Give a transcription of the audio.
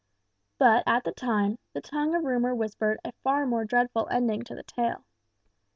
But, at the time, the tongue of rumour whispered a far more dreadful ending to the tale.